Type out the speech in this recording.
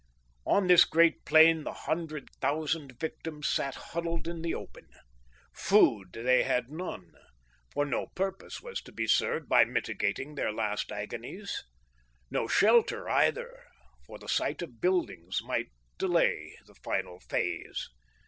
On this great plain the hundred thousand victims sat huddled in the open. Food they had none, for no purpose was to be served by mitigating their last agonies. No shelter either, for the sight of buildings might delay the final phase.